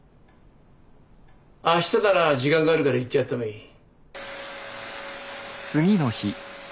明日なら時間があるから行ってやってもいい。